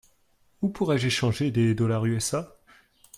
Où pourrais-je échanger des dollars USA .